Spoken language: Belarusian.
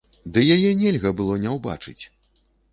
Ды яе нельга было не ўбачыць!